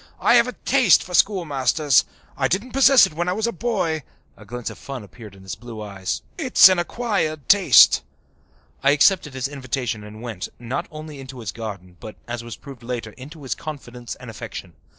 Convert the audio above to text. I have a taste for schoolmasters. I didn't possess it when I was a boy" (a glint of fun appeared in his blue eyes). "It's an acquired taste." I accepted his invitation and went, not only into his garden but, as was proved later, into his confidence and affection.